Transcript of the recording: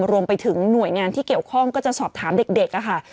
รวมไปถึงหน่วยงานที่เกี่ยวข้องก็จะสอบถามเด็กค่ะ